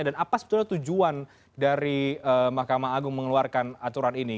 dan apa sebetulnya tujuan dari mahkamah agung mengeluarkan aturan ini